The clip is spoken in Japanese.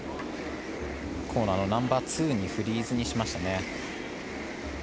コーナーのナンバーツーにフリーズにしましたね。